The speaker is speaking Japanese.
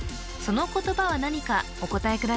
その言葉は何かお答え